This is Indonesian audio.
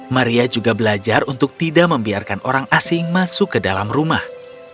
maria juga belajar untuk tidak membiarkan orang asing masuk ke dalam rumah